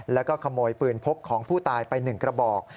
แล้วก็ขโมยปืนพกของผู้ตายไป๑กระบอก